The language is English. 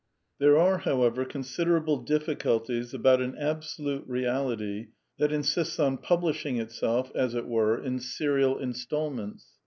There are, however, considerable di£Sculties about an Absolute Beality that insists on publishing itseU, as it were, in serial instalments.